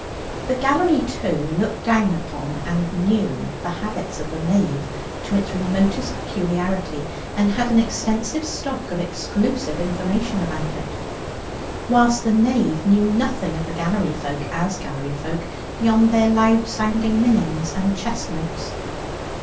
The gallery, too, looked down upon and knew the habits of the nave to its remotest peculiarity, and had an extensive stock of exclusive information about it; whilst the nave knew nothing of the gallery folk, as gallery folk, beyond their loud sounding minims and chest notes.